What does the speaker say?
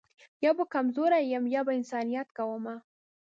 یا به کمزوری یمه یا به انسانیت کومه